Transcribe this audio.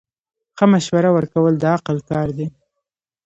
ښه مشوره ورکول د عقل کار دی.